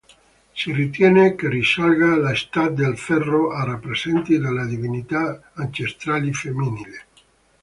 Sì ritiene che risalga all'Età del Ferro e rappresenti delle divinità ancestrali femminili.